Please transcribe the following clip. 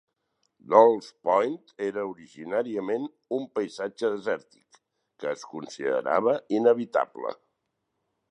Dolls Point era originàriament un paisatge desèrtic, que es considerava inhabitable.